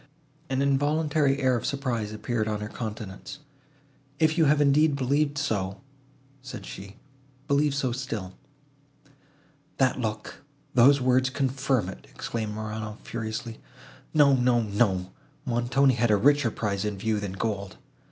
An involuntary air of surprise appeared on her countenance. "If you have indeed believed so," said she, "believe so still." "That look, those words confirm it," exclaimed Morano, furiously. "No, no, no, Montoni had a richer prize in view, than gold.